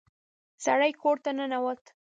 سړی کور ته ننوت.